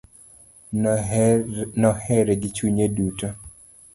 Nohere gi chunye duto.